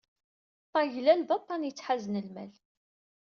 Ṭaglal d aṭṭan yettḥazen lmal.